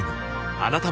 あなたも